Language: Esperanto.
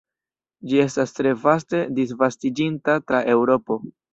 Ĝi estas tre vaste disvastiĝinta tra Eŭropo.